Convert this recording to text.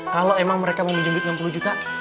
kalau emang mereka mau minjem duit enam puluh juta